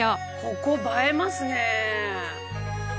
ここ映えますね。